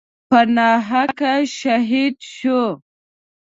په ناحقه شهید شو.